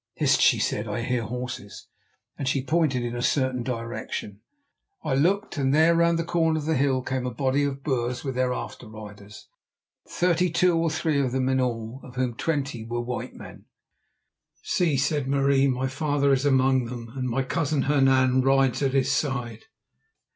"Hist!" she said, "I hear horses," and she pointed in a certain direction. I looked, and there, round the corner of the hill, came a body of Boers with their after riders, thirty two or three of them in all, of whom twenty were white men. "See," said Marie, "my father is among them, and my cousin Hernan rides at his side."